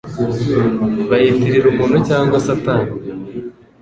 bayitirira umuntu cyangwa Satani.